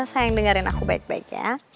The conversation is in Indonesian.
sayang dengerin aku baik baik ya